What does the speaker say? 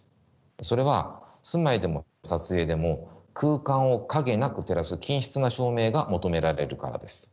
それは住まいでも撮影でも空間を影なく照らす均質な照明が求められるからです。